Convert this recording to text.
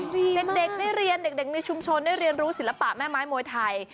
เด็กได้เรียนเด็กในชุมชนได้เรียนรู้ศิลปะแม่ไม้มวยไทย